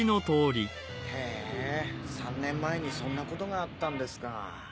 へぇ３年前にそんなことがあったんですか。